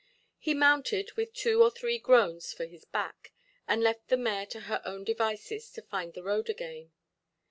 He mounted, with two or three groans for his back, and left the mare to her own devices to find the road again.